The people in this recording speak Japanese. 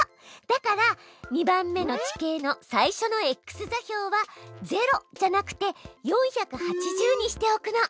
だから２番目の地形の最初のｘ座標は０じゃなくて４８０にしておくの。